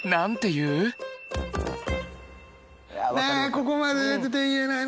ねえここまで出てて言えない。